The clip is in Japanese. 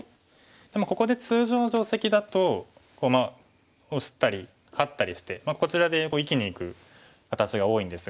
でもここで通常の定石だとまあオシたりハッたりしてこちらで生きにいく形が多いんですが。